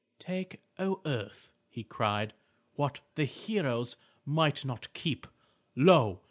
"Take, O earth," he cried, "what the heroes might not keep. Lo!